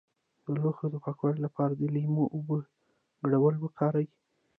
د لوښو د پاکوالي لپاره د لیمو او اوبو ګډول وکاروئ